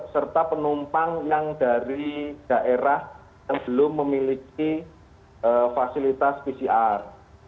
serta penumpang yang dari daerah yang belum memiliki fasilitas pcr